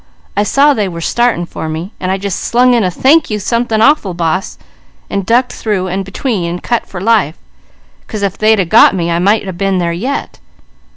I saw they was starting for me, so I just slung in a 'Thank you something awful, boss,' and ducked through and between, and cut for life; 'cause if they'd a got me, I might a been there yet.